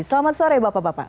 selamat sore bapak bapak